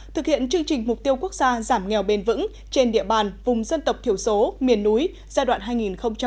thực hiện chương trình mục tiêu quốc gia giảm nghèo bền vững trên địa bàn vùng dân tộc thiểu số miền núi giai đoạn hai nghìn một mươi sáu hai nghìn hai mươi